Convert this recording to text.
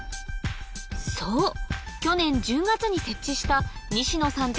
そう去年１０月に設置した西野さん